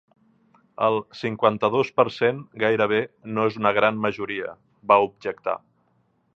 El cinquanta-dos per cent gairebé no és una gran majoria, va objectar